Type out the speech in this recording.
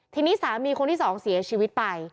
ทีนี้สามีคนที่สองเสียชีวิตไป